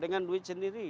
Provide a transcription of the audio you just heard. dengan duit sendiri